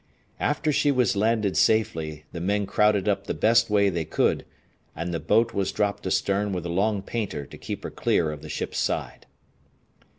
After she was landed safely the men crowded up the best way they could, and the boat was dropped astern with a long painter to keep her clear of the ship's side.